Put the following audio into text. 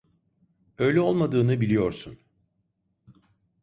Öyle olmadığını biliyorsun.